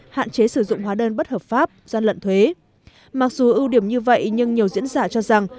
hạn chế sử dụng hóa đơn bất hợp pháp gian lận thuế mặc dù ưu điểm như vậy nhưng nhiều diễn giả cho rằng